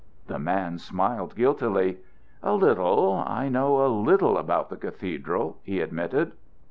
The man smiled guiltily. "A little. I know a little about the cathedral," he admitted.